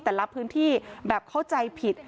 แต่ละพื้นที่แบบเข้าใจผิด